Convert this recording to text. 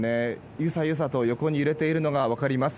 ゆさゆさと横に揺れているのが分かります。